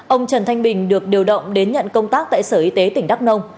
ông trần thanh bình được điều động đến nhận công tác tại sở y tế tỉnh đắk nông